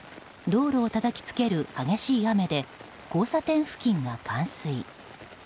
道路をたたき付ける激しい雨で交差点付近が冠水。